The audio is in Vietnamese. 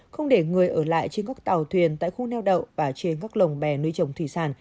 không để người ở lại trên các tàu thuyền tại khu neo đậu và trên các lồng bè nuôi trồng thủy sản